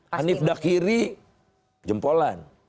hanif dakiri jempolan